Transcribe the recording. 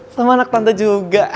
sama anak tante juga